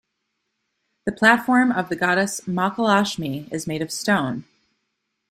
The platform of the Goddess Mahalakshmi is made of stone.